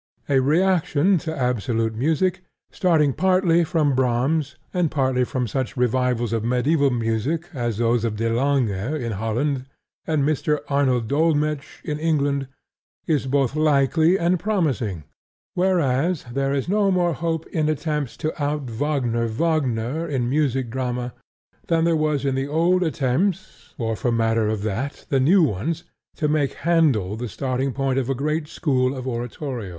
A reaction to absolute music, starting partly from Brahms, and partly from such revivals of medieval music as those of De Lange in Holland and Mr. Arnold Dolmetsch in England, is both likely and promising; whereas there is no more hope in attempts to out Wagner Wagner in music drama than there was in the old attempts or for the matter of that, the new ones to make Handel the starting point of a great school of oratorio.